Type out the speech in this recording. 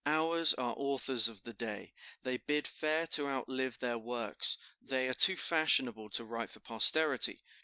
Ours are authors of the day, they bid fair to outlive their works; they are too fashionable to write for posterity.